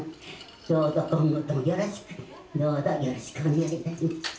どうぞ今後ともよろしくどうぞよろしくお願いいたします